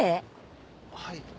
はい。